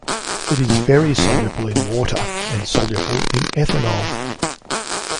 It is very soluble in water and soluble in ethanol.